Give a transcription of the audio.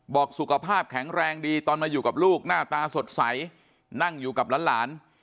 บอกสุขภาพแข็งแรงดีตอนมาอยู่กับลูกหน้าตาสดใสนั่งอยู่กับหลาน